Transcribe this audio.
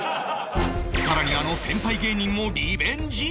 更にあの先輩芸人もリベンジ